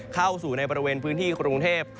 เข้าสู่ในบริเวณพื้นที่กรุงเทพ